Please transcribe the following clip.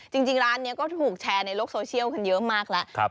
จริงร้านนี้ก็ถูกแชร์ในโลกโซเชียลกันเยอะมากแล้ว